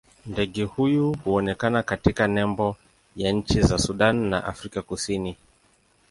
Ndege huyu huonekana katika nembo ya nchi za Sudan na Afrika Kusini.